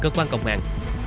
cơ quan cộng an